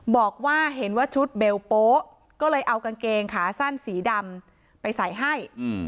บอกว่าเห็นว่าชุดเบลโป๊ะก็เลยเอากางเกงขาสั้นสีดำไปใส่ให้